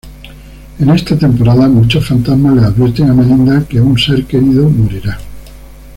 En esta temporada muchos fantasmas le advierten a Melinda que un ser querido morirá.